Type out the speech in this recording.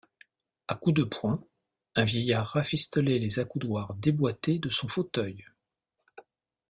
A coups de poing, un vieillard rafistolait les accoudoirs déboîtés de son fauteuil.